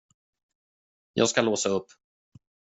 Jag ska låsa upp.